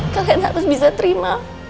kalian harus bisa terima